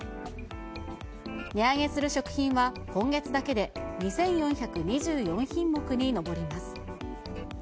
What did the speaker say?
値上げする食品は、今月だけで２４２４品目に上ります。